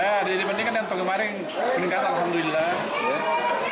jadi penting kan yang terkemaring meningkat alhamdulillah